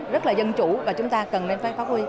rất là dân chủ và chúng ta cần nên phải phát huy